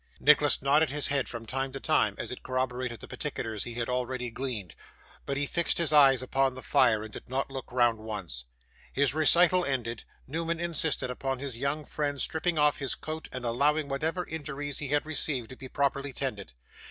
Nicholas nodded his head from time to time, as it corroborated the particulars he had already gleaned; but he fixed his eyes upon the fire, and did not look round once. His recital ended, Newman insisted upon his young friend's stripping off his coat and allowing whatever injuries he had received to be properly tended.